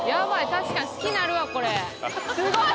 確かに好きなるわこれすごい！